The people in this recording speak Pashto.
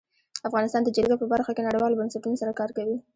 افغانستان د جلګه په برخه کې نړیوالو بنسټونو سره کار کوي.